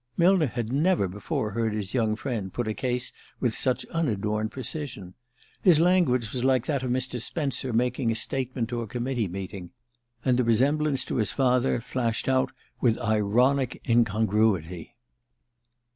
Millner had never before heard his young friend put a case with such unadorned precision. His language was like that of Mr. Spence making a statement to a committee meeting; and the resemblance to his father flashed out with ironic incongruity.